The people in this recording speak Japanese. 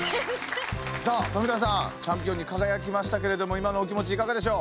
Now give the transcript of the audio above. さあ富田さんチャンピオンに輝きましたけれども今のお気持ちいかがでしょう？